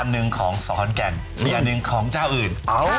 หนึ่งของขอนแก่นมีอันหนึ่งของเจ้าอื่น